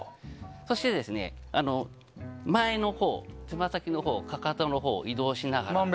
そして、前のほうつま先のほう、かかとのほうと移動しながら。